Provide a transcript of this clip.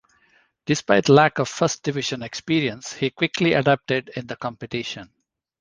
Despite lack of first division experience, he quickly adapted in the competition.